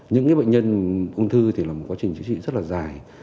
những bệnh nhân ung thư thì là một quá trình chữa trị rất là dài